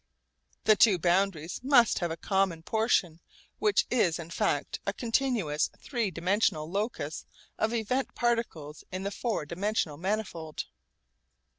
The two boundaries must have a common portion which is in fact a continuous three dimensional locus of event particles in the four dimensional manifold.